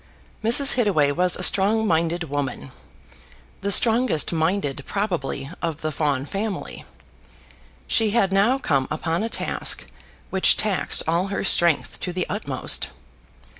Mrs. Hittaway was a strong minded woman, the strongest minded probably of the Fawn family, but she had now come upon a task which taxed all her strength to the utmost.